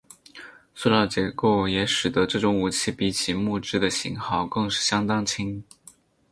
塑料结构也使得这种武器比起木制的型号更是相当轻。